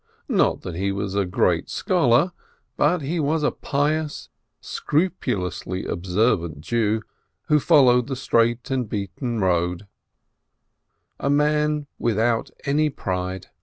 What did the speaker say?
Not that he was a great scholar, but he was a pious, scrupulously observant Jew, who followed the straight and beaten road, a man without any pride.